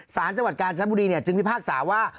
ศาลจังหวัดกาลชมจึงพิพากษาว่า